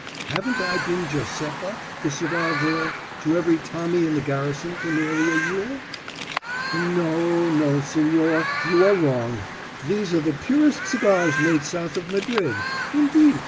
Haven't I been Josepha, the cigar girl, to every Tommy in the garrison for nearly a year? No no, señor; you are wrong. These are the purest cigars made south of Madrid. Indeed, señor."